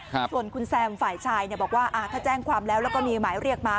ส่วนคุณแซมฝ่ายชายบอกว่าถ้าแจ้งความแล้วก็มีหมายเรียกมา